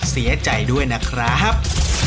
เสียใจด้วยนะครับ